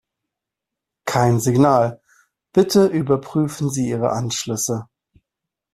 Kein Signal. Bitte überprüfen Sie Ihre Anschlüsse.